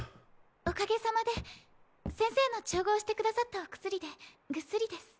おかげさまで先生の調合してくださったお薬でぐっすりです。